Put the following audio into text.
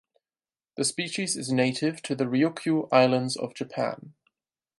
The species is native to the Ryukyu Islands of Japan.